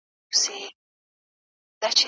د زعفرانو په وزرونو.